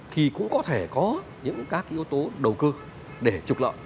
thì cũng có thể có những các yếu tố đầu cơ để trục lợi